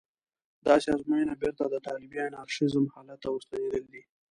داسې ازموینه بېرته د طالبي انارشېزم حالت ته ورستنېدل دي.